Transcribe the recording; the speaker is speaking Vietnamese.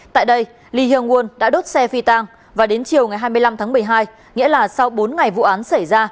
tại đây lee hyong won đã đốt xe phi tăng và đến chiều ngày hai mươi năm tháng một mươi hai nghĩa là sau bốn ngày vụ án xảy ra